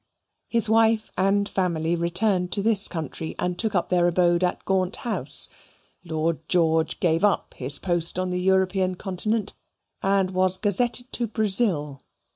His wife and family returned to this country and took up their abode at Gaunt House. Lord George gave up his post on the European continent, and was gazetted to Brazil.